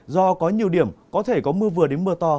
do có nhiều điểm có thể có mưa vừa đến mưa to